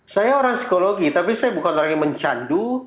saya orang psikologi tapi saya bukan orang yang mencandu